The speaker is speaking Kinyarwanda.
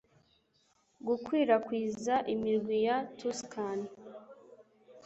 Gukwirakwiza imirwi ya Tuscan